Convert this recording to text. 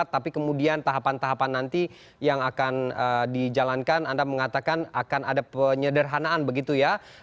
tapi kemudian tahapan tahapan nanti yang akan dijalankan anda mengatakan akan ada penyederhanaan begitu ya